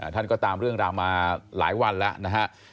ท่านก็ตามเรื่องราวมาหลายวันแล้วนะฮะ